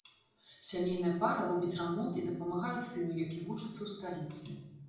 Сямейная пара робіць рамонт і дапамагае сыну, які вучыцца ў сталіцы.